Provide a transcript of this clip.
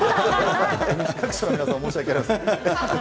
各所の皆さん、申し訳ありません。